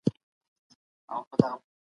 د عزت ساتني دپاره ښه اخلاق ضروري دي.